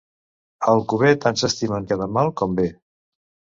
A Alcover tant s'estimen quedar mal com bé.